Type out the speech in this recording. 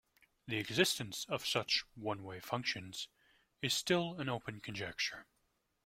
The existence of such one-way functions is still an open conjecture.